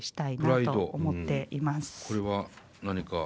これは何か？